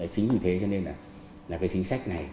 chính vì thế cho nên là cái chính sách này